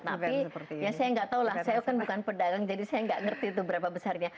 tapi ya saya nggak tahu lah saya kan bukan pedagang jadi saya nggak ngerti itu berapa besarnya